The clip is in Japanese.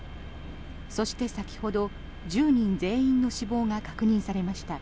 そして、先ほど１０人全員の死亡が確認されました。